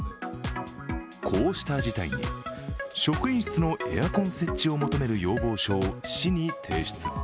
こうした事態に、職員室のエアコン設置を求める要望書を市に提出。